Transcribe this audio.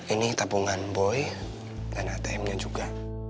ini tabungan boy dan atm nya juga